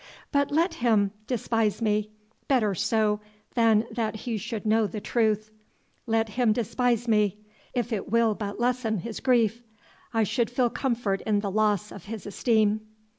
But let him despise me better so than that he should know the truth let him despise me; if it will but lessen his grief, I should feel comfort in the loss of his esteem."